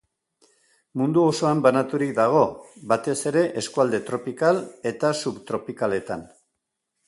Mundu osoan banaturik dago, batez ere, eskualde tropikal eta subtropikaletan.